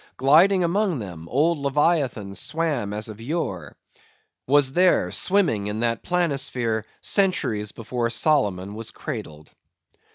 Gliding among them, old Leviathan swam as of yore; was there swimming in that planisphere, centuries before Solomon was cradled.